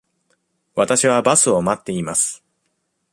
わたしはバスを待っています。